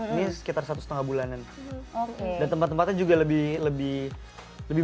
ini sekitar satu setengah bulanan dan tempat tempatnya juga lebih lebih